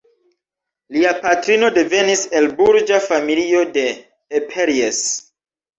Lia patrino devenis el burĝa familio de Eperjes.